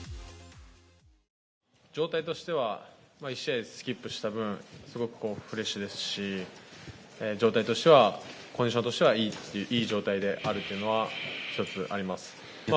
状態としては、１試合スキップした分すごいフレッシュですし状態としてはコンディションとしてはいい状態であるっていうのは一つあります。